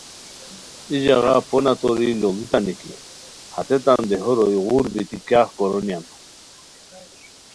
ای ژاغا پونہ توری لوڑتانی کی ہتیتان دیہو روئے غول بیتی کیاغ کورونیان